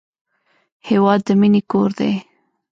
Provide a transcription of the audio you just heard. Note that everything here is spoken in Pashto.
هېواد د مینې کور دی.